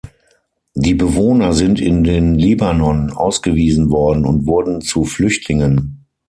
Die Bewohner sind in den Libanon ausgewiesen worden und wurden zu Flüchtlingen.